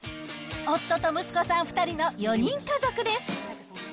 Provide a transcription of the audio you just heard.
夫と息子さん２人の４人家族です。